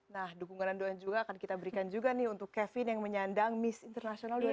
nah dukungan dan doa juga akan kita berikan juga nih untuk kevin yang menyandang miss international dua ribu dua puluh